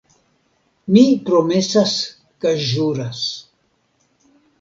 Mi promesas kaj ĵuras!